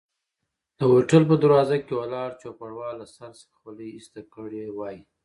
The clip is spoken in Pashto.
د هوټل په دروازه کې ولاړ چوپړوال له سر څخه خولۍ ایسته کړي وای.